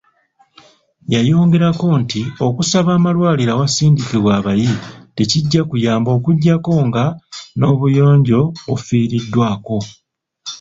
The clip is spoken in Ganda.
Yayongerako nti okusaba amalwaliro awasindikibwa abayi tekijja kuyamba okugyako nga n'obuyonjo bufiiriddwako.